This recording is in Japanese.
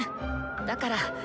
だから。